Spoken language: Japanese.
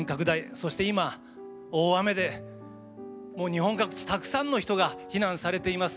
そして今大雨で日本各地たくさんの人が避難されています。